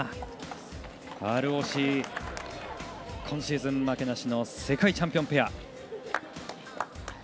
ＲＯＣ、今シーズン負けなしの世界チャンピオンペア。